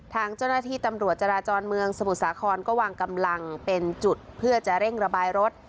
ทางเจ้าหน้าที่ตำรวจจราจรเมืองสมุทรสาครก็วางกำลังเป็นจุดเพื่อจะเร่งระบายรถ